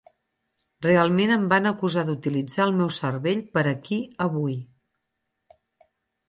Realment em van acusar d'utilitzar el meu cervell per aquí avui.